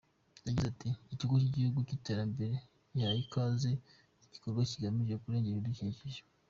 Yagize ati “Ikigo cy’Igihugu cy’Iterambere gihaye ikaze iki gikorwa kigamije kurengera ibidukikije.